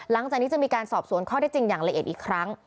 หลังจากนี้จะมีการสอบสวนข้อที่จริงอย่างละเอียดอีกครั้ง